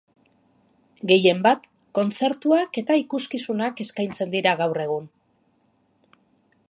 Gehienbat, kontzertuak eta ikuskizunak eskaintzen dira gaur egun.